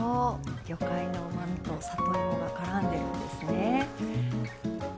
魚介のうまみと里芋がからんでるんですね。